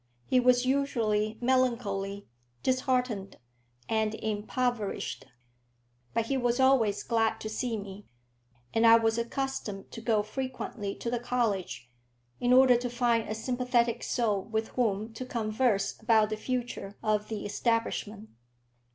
He was usually melancholy, disheartened, and impoverished; but he was always glad to see me, and I was accustomed to go frequently to the college, in order to find a sympathetic soul with whom to converse about the future of the establishment.